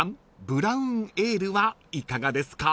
ブラウンエールはいかがですか？］